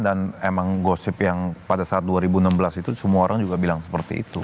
dan emang gosip yang pada saat dua ribu enam belas itu semua orang juga bilang seperti itu